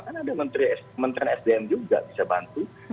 kan ada kementerian sdm juga bisa bantu